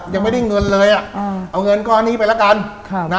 ยังไม่ได้เงินเลยอ่ะเอาเงินก้อนนี้ไปละกัน